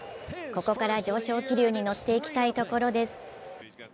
ここから上昇気流に乗っていきたいところです。